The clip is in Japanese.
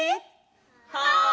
はい！